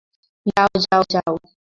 যাও, যাও, যাও।